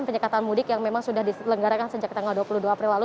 penyekatan mudik yang memang sudah diselenggarakan sejak tanggal dua puluh dua april lalu